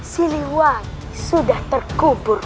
siliwangi sudah terkubur